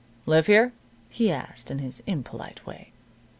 "Live here?" he asked, in his impolite way.